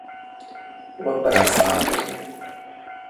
We behs nekiriye.